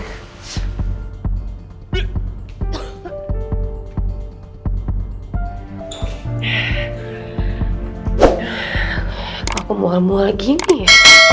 aku mual mual gini ya